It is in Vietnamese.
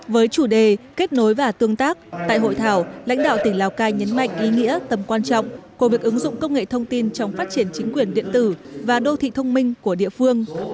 với chủ đề kết nối và tương tác tại hội thảo lãnh đạo tỉnh lào cai nhấn mạnh ý nghĩa tầm quan trọng của việc ứng dụng công nghệ thông tin trong phát triển chính quyền điện tử và đô thị thông minh của địa phương